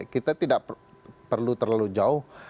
kita tidak perlu terlalu jauh